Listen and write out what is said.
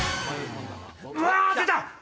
うわ！出た！